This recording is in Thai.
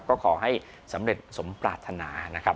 ก็ขอให้สำเร็จสมปรารถนานะครับ